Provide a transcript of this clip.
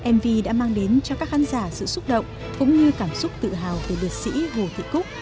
mv đã mang đến cho các khán giả sự xúc động cũng như cảm xúc tự hào về liệt sĩ hồ thị cúc